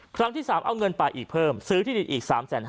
ครั้งที่๓เอาเงินไปอีกเพิ่มซื้อที่ดินอีก๓๕๐๐